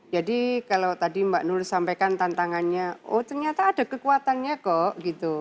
jadi kalau tadi mbak nur sampaikan tantangannya oh ternyata ada kekuatannya kok